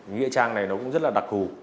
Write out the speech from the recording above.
nghĩa trang này cũng rất là đặc thù